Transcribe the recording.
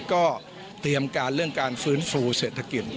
ก็เตรียมการเรื่องการฟื้นฟูเศรษฐกิจ